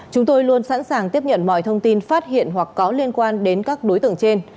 chúng tôi luôn sẵn sàng tiếp nhận mọi thông tin phát hiện hoặc có liên quan đến các đối tượng trên